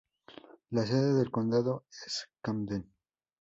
La sede de condado es Camden.